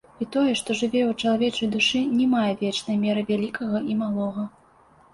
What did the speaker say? І тое, што жыве ў чалавечай душы, не мае вечнай меры вялікага і малога.